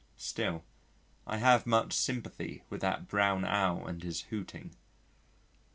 Still, I have much sympathy with that Brown Owl and his hooting.